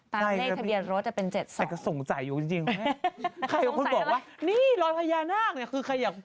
ตามเลขทะเบียนรถจะเป็นเจ็ดสองแต่ก็สงสัยอยู่จริงจริงใครก็คุณบอกว่านี่รอยพญานาคเนี้ยคือใครอยาก